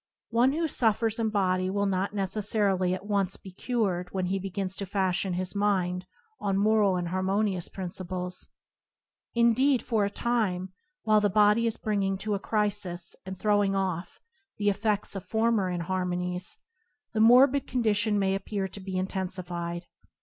One who suffers in body will not neces sarily at once be cured when he begins to fashion his mind on moral and harmonious principles; indeed, for a time, while the body is bringing to a crisis, and throwing off, the effects of former inharmonies, the morbid condition may appear to be intensified.